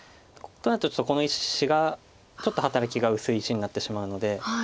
となるとこの１子がちょっと働きが薄い石になってしまうので。